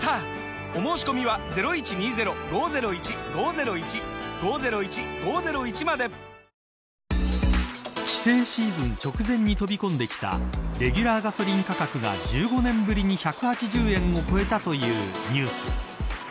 お申込みは帰省シーズン直前に飛び込んできたレギュラーガソリン価格が１５年ぶりに１８０円を超えたというニュース。